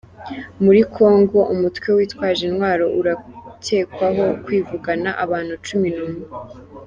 Muri Kongo Umutwe Witwaje Intwaro urakekwaho kwivugana abantu cumi numwe